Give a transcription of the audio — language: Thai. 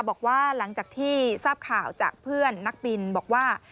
บอกว่าหลังจากที่ทราบข่าวจากเพื่อนนักบินบอกว่า